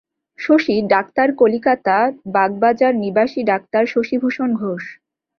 Shashi doctor Calcutta বাগবাজার-নিবাসী doctor Shashibhushan Ghosh.